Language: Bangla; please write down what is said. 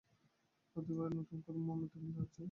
প্রতিবারই নতুন করে মোমেন্টাম দিতে হচ্ছে।